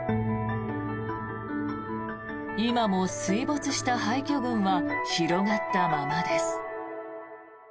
今も水没した廃虚群は広がったままです。